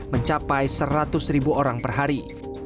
mencapai seratus ribu orang per hari